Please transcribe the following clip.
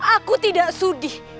aku tidak sudi